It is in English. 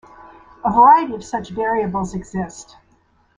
A variety of such variables exist.